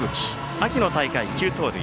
秋の大会９盗塁。